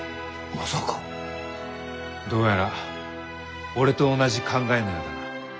どうやら俺と同じ考えのようだな。